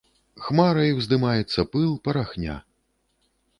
Хмарай уздымаецца пыл, парахня.